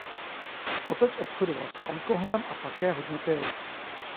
Otec obchodoval s alkoholem a také hodně pil.